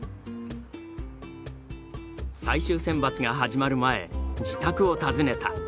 最終選抜が始まる前自宅を訪ねた。